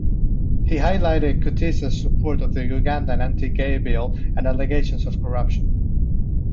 He highlighted Kutesa's support of the Ugandan anti-gay bill and allegations of corruption.